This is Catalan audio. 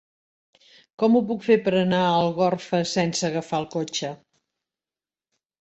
Com ho puc fer per anar a Algorfa sense agafar el cotxe?